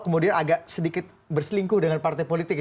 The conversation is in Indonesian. kemudian agak sedikit berselingkuh dengan partai politik ya